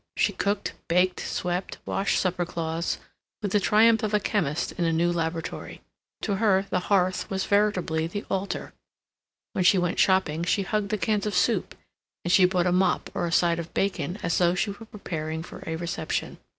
She cooked, baked, swept, washed supper cloths, with the triumph of a chemist in a new laboratory. To her the hearth was veritably the altar. When she went shopping she hugged the cans of soup, and she bought a mop or a side of bacon as though she were preparing for a reception.